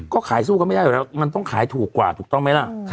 ก็ขายสู้กันไม่ได้อยู่แล้วมันต้องขายถูกกว่าถูกต้องไหมล่ะ